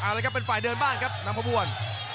เอาละครับเป็นฝ่ายเดินบ้างของนางกุวัล